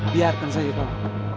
biarkan saja pak